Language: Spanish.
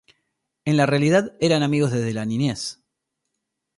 En la realidad eran amigos desde la niñez.